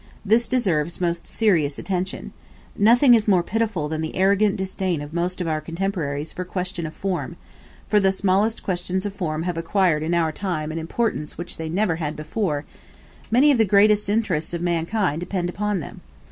This deserves most serious attention. Nothing is more pitiful than the arrogant disdain of most of our contemporaries for questions of form; for the smallest questions of form have acquired in our time an importance which they never had before: many of the greatest interests of mankind depend upon them.